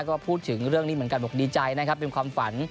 ก็พูดถึงเรื่องนี้เหมือนกันบอกดีใจนะครับเป็นความฝัน